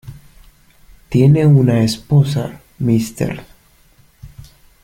Tiene una esposa, Mrs.